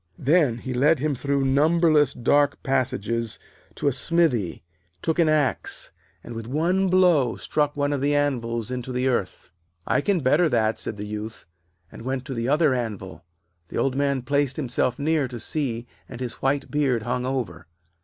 Then he led him through numberless dark passages to a smithy, took an axe, and with one blow struck one of the anvils into the earth. 'I can better that,' said the Youth, and went to the other anvil. The Old Man placed himself near to see, and his white beard hung over.